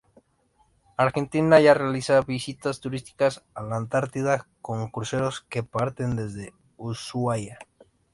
Argentina ya realiza visitas turísticas a la Antártida, con cruceros que parten desde Ushuaia.